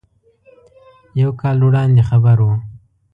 یو کال وړاندې خبر و.